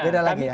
beda lagi ya